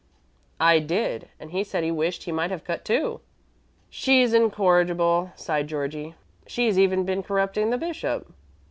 "I did; and he said he wished he might have cut, too." "She's incorrigible," sighed Georgie; "she's even been corrupting the bishop."